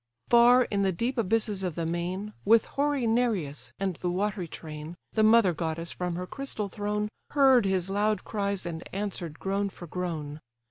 Far in the deep abysses of the main, With hoary Nereus, and the watery train, The mother goddess from her crystal throne Heard his loud cries, and answer'd groan for groan.